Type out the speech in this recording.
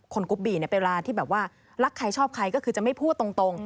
กรุ๊ปบีเวลาที่แบบว่ารักใครชอบใครก็คือจะไม่พูดตรง